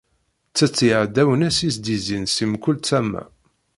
Ttett iɛdawen-is i s-d-izzin si mkul tama.